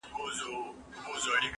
زه مېوې خوړلي دي